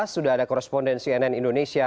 sudah ada koresponden cnn indonesia